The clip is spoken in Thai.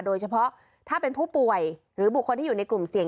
โดยเฉพาะถ้าเป็นผู้ป่วยหรือบุคคลที่อยู่ในกลุ่มเสี่ยง